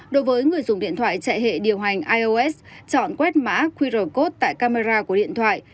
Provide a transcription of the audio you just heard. đối với người dùng điện thoại chạy hệ điều hành ios chọn quét mã qr code tại camera của điện thoại